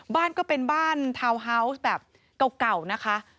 บ้านก็เป็นบ้านทาวน์ฮาวส์แบบเก่านะคะ